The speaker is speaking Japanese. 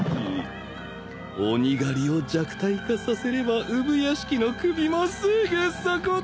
鬼狩りを弱体化させれば産屋敷の首もすぐそこだ！